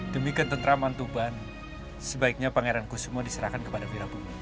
demikian tentera mantuban sebaiknya pangeran kusumo diserahkan kepada virabun